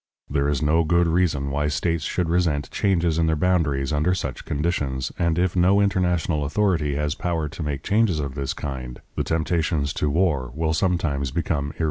There is no good reason why states should resent changes in their boundaries under such conditions, and if no international authority has power to make changes of this kind, the temptations to war will sometimes become irresistible.